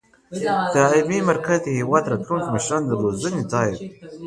دا علمي مرکز د هېواد د راتلونکو مشرانو د روزنې ځای دی.